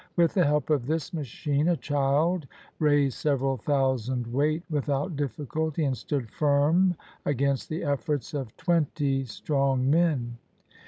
With the help of this machine, a child raised several thousand weight without difficulty, and stood firm against the efforts of twenty strong men.